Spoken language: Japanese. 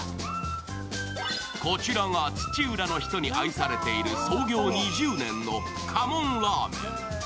こちらが土浦の人に愛されている創業２０年のかもんラーメン。